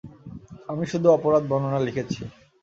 আমি শুধু অপরাধ বর্ণনা লিখেছি।